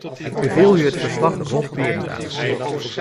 Ik beveel u het verslag-Roth-Behrendt aan.